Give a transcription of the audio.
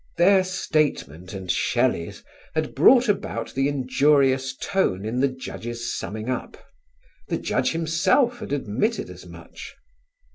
Their statement and Shelley's had brought about the injurious tone in the Judge's summing up. The Judge himself had admitted as much.